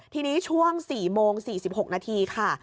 ทีนี้ช่วง๔โมง๔๖นาทีค่ะ